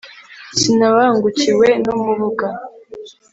sinabangukiwe n’umubuga.